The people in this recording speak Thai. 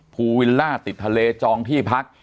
วิลล่าติดทะเลจองที่พัก